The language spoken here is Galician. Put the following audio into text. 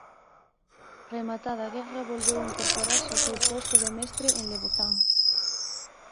Rematada a guerra volveu incorporarse ao seu posto de mestre en Lebozán.